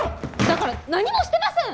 だから何もしてません！